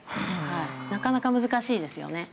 なかなか難しいですよね。